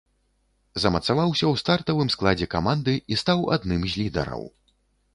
Замацаваўся ў стартавым складзе каманды і стаў адным з лідараў.